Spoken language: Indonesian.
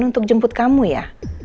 untuk jemput kamu ya